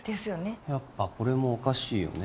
やっぱこれもおかしいよね